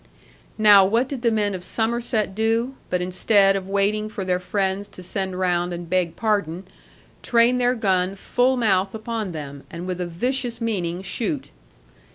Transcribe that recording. Now what did the men of Somerset do, but instead of waiting for their friends to send round and beg pardon, train their gun full mouth upon them, and with a vicious meaning shoot.